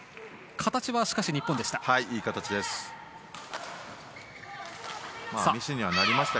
形はしかし、日本でした。